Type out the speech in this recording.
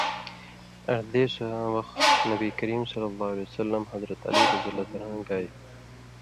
اڑدېساں وخت نبی کریم ﷺ، حضرت علیؓ گائ